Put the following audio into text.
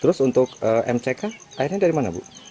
terus untuk mck airnya dari mana bu